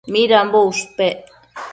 Midambo ushpec